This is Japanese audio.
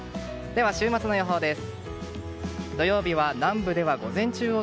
週末の予報です。